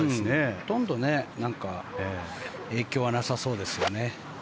ほとんど影響はなさそうですよね。